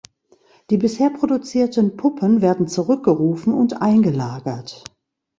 Die bisher produzierten Puppen werden zurückgerufen und eingelagert.